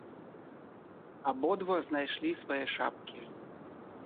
Абодва знайшлі свае шапкі.